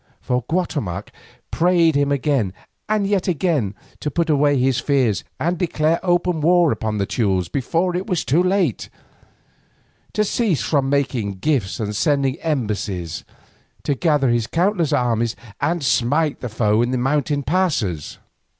For Guatemoc prayed him again and yet again to put away his fears and declare open war upon the Teules before it was too late; to cease from making gifts and sending embassies, to gather his countless armies and smite the foe in the mountain passes.